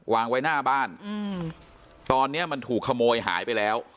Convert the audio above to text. วางไว้หน้าบ้านอืมตอนนี้มันถูกขโมยหายไปแล้ว